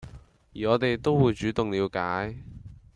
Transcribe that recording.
而我哋都會主動了解